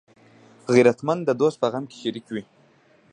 غیرتمند د دوست په غم کې شریک وي